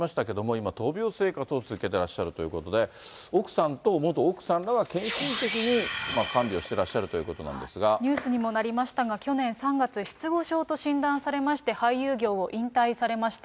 今、闘病生活を続けてらっしゃるということで、奥さんと元奥さんらが献身的に看病してらっしゃるということなんニュースにもなりましたが、去年３月、失語症と診断されまして、俳優業を引退されました。